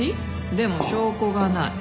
でも証拠がない。